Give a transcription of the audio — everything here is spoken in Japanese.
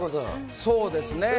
そうですね。